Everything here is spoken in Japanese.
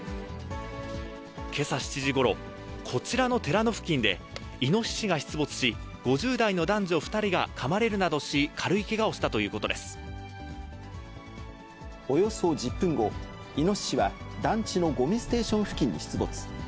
けさ７時ごろ、こちらの寺の付近で、イノシシが出没し、５０代の男女２人がかまれるなどし、軽いけがをしたということでおよそ１０分後、イノシシは団地のごみステーション付近に出没。